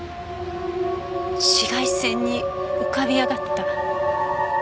紫外線に浮かび上がった。